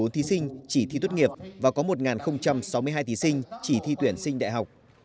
ba bảy trăm một mươi bốn thí sinh chỉ thi tuất nghiệp và có một sáu mươi hai thí sinh chỉ thi tuyển sinh đại học